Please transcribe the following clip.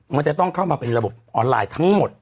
มันจะต้องเข้ามาเป็นระบบออนไลน์ทั้งหมด